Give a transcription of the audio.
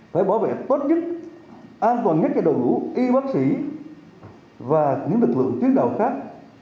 phải bảo vệ tốt nhất an toàn nhất cho đồ đủ y bác sĩ và những lực lượng tiến đạo khác